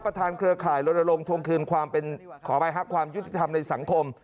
ประธานเครือข่ายโรนโรงทงคืนความเป็นขอบายฮักษ์ความยุติธรรมในสังคม